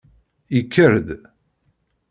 Yekker-d.